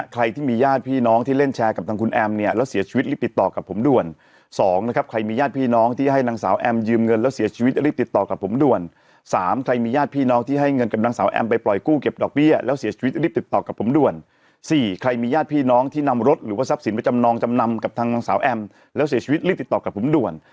ใครมีญาติพี่น้องที่ให้นางสาวแอมม์ยืมเงินแล้วเสียชีวิตรีบต่อกับผมด่วน๓ใครมีญาติพี่น้องที่ให้เงินกับนางสาวแอมม์ไปปล่อยกู้เก็บดอกเบี้ยแล้วเสียชีวิตรีบต่อกับผมด่วน๔ใครมีญาติพี่น้องที่นำรถหรือว่าทรัพย์สินประจำนองจำนำกับทางนางสาวแอมม์แล้วเสียชีวิตรีบต่อกับผมด่วน